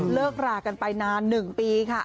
เลิกรากันไปนาน๑ปีค่ะ